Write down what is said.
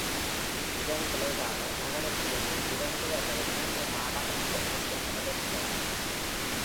இதன் விளைவாக, நகரத்திலேயே இரண்டு அல்லது மூன்று நாடாளுமன்ற உறுப்பினர்கள் இருந்தனர்.